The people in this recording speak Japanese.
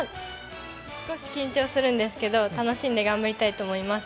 少し緊張するんですけど、楽しみたいと思います。